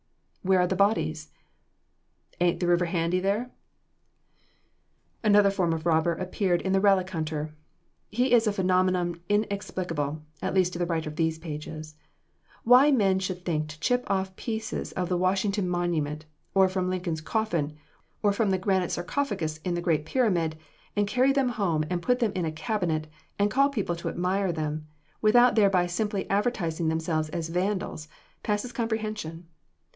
"Where are the bodies?" "Ain't the river handy there?" Another form of robber appeared in the relic hunter. He is a phenomenon inexplicable at least to the writer of these pages. Why men should think to chip off pieces of the Washington Monument, or from Lincoln's coffin, or from the granite sarcophagus in the great pyramid, and carry them home and put them in a cabinet, and call people to admire them, without thereby simply advertising themselves as vandals, passes comprehension.